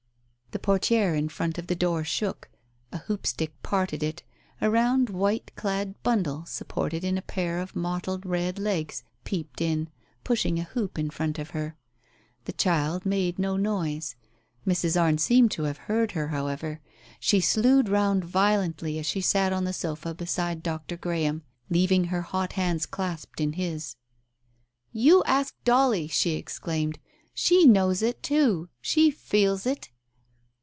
..." The portiere in front of the door shook, a hoopstick parted it, a round white clad bundle supported on a pair of mottled red legs peeped in, pushing a hoop in front of her. The child made no noise. Mrs. Arne seemed to have heard her, however. She slewed round violently as she sat on the sofa beside Dr. Graham, leaving her hot hands clasped in his. "You ask Dolly," she exclaimed. "She knows it, too — she feels it."